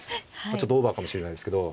ちょっとオーバーかもしれないですけど。